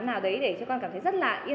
nào bạn nào chưa có ghế